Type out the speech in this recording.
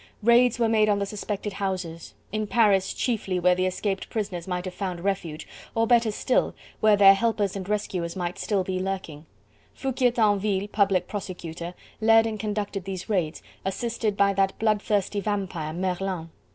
Raids were made on the suspected houses: in Paris chiefly where the escaped prisoners might have found refuge, or better still where their helpers and rescuers might still be lurking. Foucquier Tinville, Public Prosecutor, led and conducted these raids, assisted by that bloodthirsty vampire, Merlin.